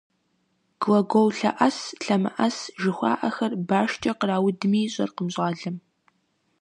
«Глагол лъэӀэс, лъэмыӀэс» жыхуаӀэхэр башкӀэ къраудми ищӀэркъым щӀалэм.